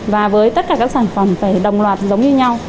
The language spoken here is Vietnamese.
và với tất cả các sản phẩm phải đồng loạt giống như nhau